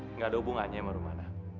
enggak ada hubungannya sama rumana